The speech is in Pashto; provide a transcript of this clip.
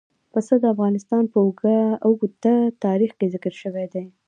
پسه د افغانستان په اوږده تاریخ کې ذکر شوی دی.